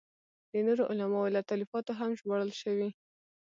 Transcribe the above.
د نورو علماوو له تالیفاتو هم ژباړل شوي.